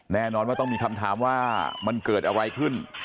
แน่นอนว่าต้องมีคำถามว่ามันเกิดอะไรขึ้น